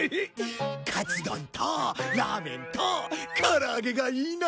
カツ丼とラーメンとからあげがいいな。